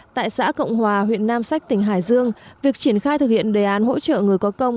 tại xã cộng hòa huyện nam sách tỉnh hải dương việc triển khai thực hiện đề án hỗ trợ người có công